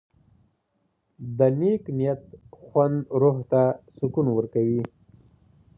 د نیک نیت خوند روح ته سکون ورکوي.